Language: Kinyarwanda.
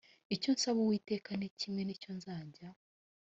icyo nsaba uwiteka ni kimwe ni cyo nzajya